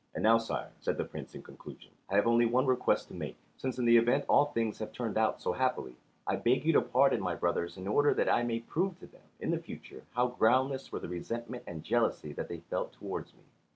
"And now, sire," said the Prince in conclusion, "I have only one request to make: since in the event all things have turned out so happily, I beg you to pardon my brothers in order that I may prove to them in the future how groundless were the resentment and jealousy that they felt toward me."